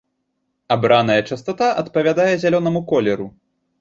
Абраная частата адпавядае зялёнаму колеру.